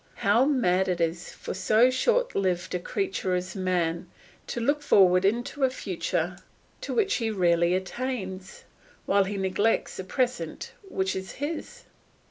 How mad it is for so short lived a creature as man to look forward into a future to which he rarely attains, while he neglects the present which is his?